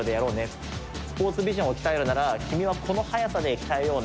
スポーツビジョンを鍛えるなら君はこの速さで鍛えようね。